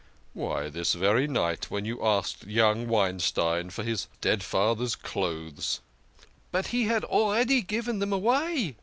" Why, this very night. When you asked young Wein stein for his dead father's clothes !"" But he had already given them away